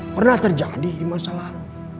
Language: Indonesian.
pernah terjadi di masa lalu